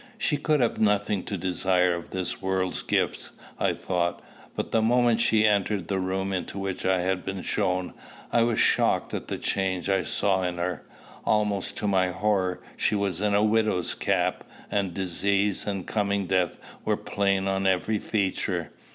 She could have nothing to desire of this world's gifts, I thought. But the moment she entered the room into which I had been shown, I was shocked at the change I saw in her. Almost to my horror, she was in a widow's cap; and disease and coming death were plain on every feature.